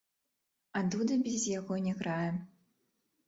А дуда без яго не грае.